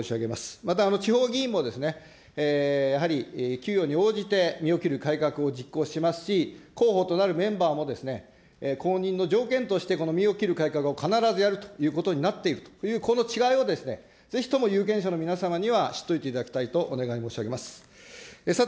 また地方議員も、やはり給与に応じて身を切る改革を実行しますし、となるメンバーも公認の条件としてこの身を切る改革を必ずやるということになっている、この気概を、ぜひとも有権者の皆様には、知っておいていただきたいというふうにお願い申し上げます。